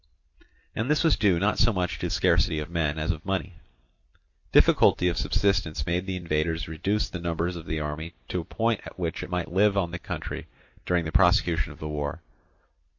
And this was due not so much to scarcity of men as of money. Difficulty of subsistence made the invaders reduce the numbers of the army to a point at which it might live on the country during the prosecution of the war.